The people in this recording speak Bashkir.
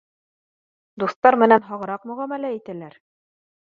— Дуҫтар менән һағыраҡ мөғәмәлә итәләр